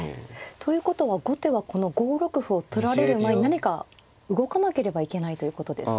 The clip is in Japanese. ということは後手はこの５六歩を取られる前に何か動かなければいけないということですか。